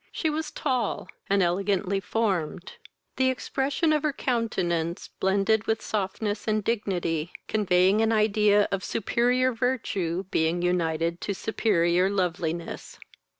She was tall, and elegantly formed; the expression of her countenance, blended with softness and dignity, conveying an idea of superior virtue being united to superior loveliness.